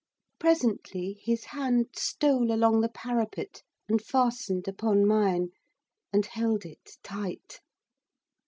Presently his hand stole along the parapet, and fastened upon mine, and held it tight.